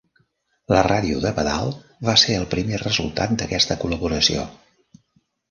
La ràdio de pedal va ser el primer resultat d'aquesta col·laboració.